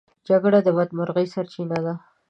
جګړه د بدمرغۍ سرچينه ده.